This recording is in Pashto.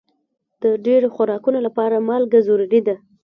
د ډېرو خوراکونو لپاره مالګه ضروري ده.